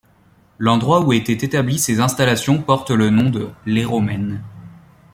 L'endroit où étaient établies ces installations porte le nom de Les Romaines.